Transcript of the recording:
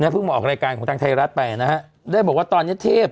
เพิ่งมาออกรายการของทางไทยรัฐไปนะฮะได้บอกว่าตอนนี้เทพ